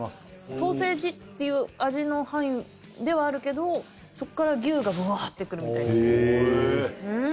ソーセージっていう味の範囲ではあるけどそっから牛がブワってくるみたいなうん！